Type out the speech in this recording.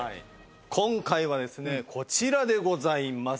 今回はですねこちらでございます。